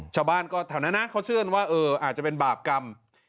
ชาวบ้านก็แถวนั้นนะเขาเชื่อกันว่าเอออาจจะเป็นบาปกรรม